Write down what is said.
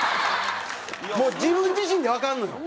もう自分自身でわかるのよ。